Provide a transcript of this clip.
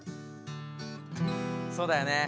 そうだよね。